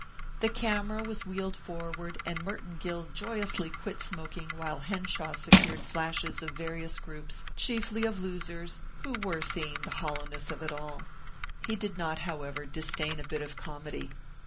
The camera was wheeled forward and Merton Gill joyously quit smoking while Henshaw secured flashes of various groups, chiefly of losers who were seeing the hollowness of it all. He did not, however, disdain a bit of comedy.